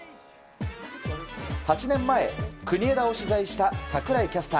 ８年前、国枝を取材した櫻井キャスター。